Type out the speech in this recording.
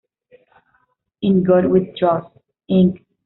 In God We Trust, Inc.